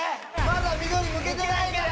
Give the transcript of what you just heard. まだ緑むけてないから。